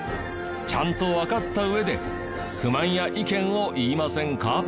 ちゃんとわかった上で不満や意見を言いませんか？